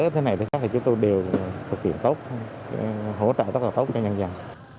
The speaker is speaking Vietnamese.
cái này chắc chắc chúng tôi đều thực hiện tốt hỗ trợ rất là tốt cho nhân dân